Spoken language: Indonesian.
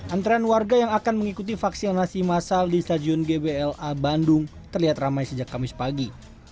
antrean warga yang akan mengikuti vaksinasi masal di stadion gbla bandung terlihat ramai sejak kamis pagi